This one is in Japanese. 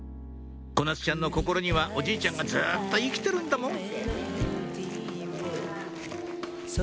小夏ちゃんの心にはおじいちゃんがずっと生きてるんだもん